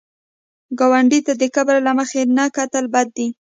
ګاونډي ته د کبر له مخې نه کتل بد دي